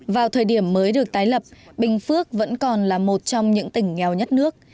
vào thời điểm mới được tái lập bình phước vẫn còn là một trong những tỉnh nghèo nhất nước